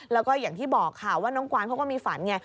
แล้วก็อย่างที่บอกค่ะว่าน้องกวานเขาก็มีฝันไง